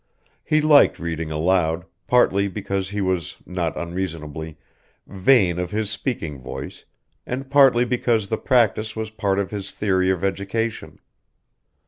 He liked reading aloud, partly because he was, not unreasonably, vain of his speaking voice and partly because the practice was part of his theory of education.